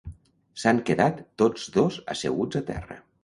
S'han quedat tots dos asseguts a terra.